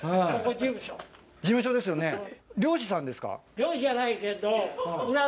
事務所ですよね漁師さんですか？